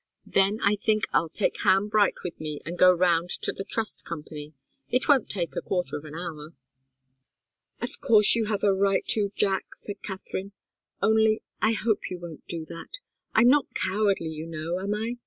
Then I think I'll take Ham Bright with me and go round to the Trust Company. It won't take a quarter of an hour." "Of course you have a right to, Jack," said Katharine. "Only, I hope you won't do that. I'm not cowardly, you know, am I?